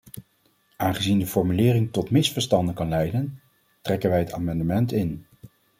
Aangezien de formulering tot misverstanden kan leiden, trekken wij het amendement in.